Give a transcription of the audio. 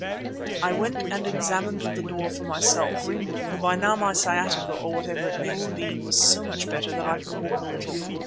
I went and examined the door for myself, for by now my sciatica, or whatever it may have been, was so much better that I could walk a little.